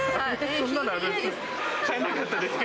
そんなのあるんですか？